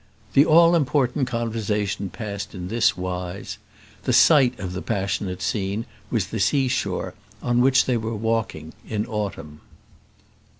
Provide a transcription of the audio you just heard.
The all important conversation passed in this wise. The site of the passionate scene was the sea shore, on which they were walking, in autumn.